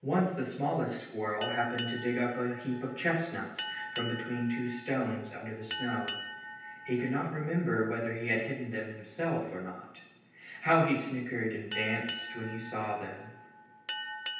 Once the smallest squirrel happened to dig up a heap of chestnuts from between two stones under the snow. He could not remember whether he had hidden them himself or not. How he snickered and danced when he saw them!